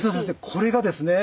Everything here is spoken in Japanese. これがですね